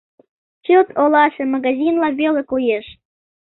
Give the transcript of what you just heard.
Чылт оласе магазинла веле коеш.